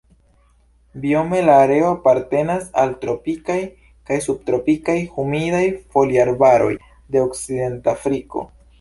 Biome la areo apartenas al tropikaj kaj subtropikaj humidaj foliarbaroj de Okcidentafriko.